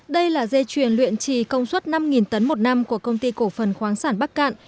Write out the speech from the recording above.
đây là dây chuyền luyện trì công suất năm tấn một năm của công ty cổ phần khoáng sản bắc cạn